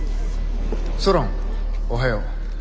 ソロンおはよう。